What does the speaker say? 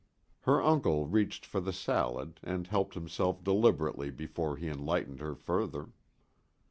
Her uncle reached for the salad, and helped himself deliberately before he enlightened her further.